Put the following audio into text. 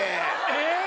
えっ？